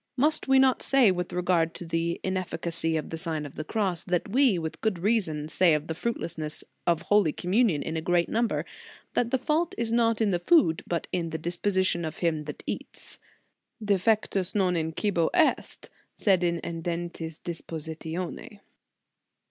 Must we not say, with regard to the inefficacy of the Sign of the Cross, what we, with good reason, say of the fruitlessness of Holy Com munion in a great number that the fault is not in the food, but in the disposition of him that eats: Defectus non in cibo est> sed in edentis dispositione